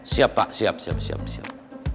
siap pak siap siap